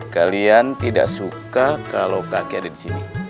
kalian tidak suka kalau kakek ada disini